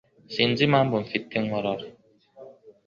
Sinzi impamvu mfite inkorora.